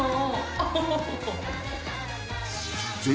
あっ。